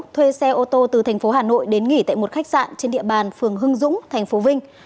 thuê xe ô tô từ tp hà nội đến nghỉ tại một khách sạn trên địa bàn phường hưng dũng tp vinh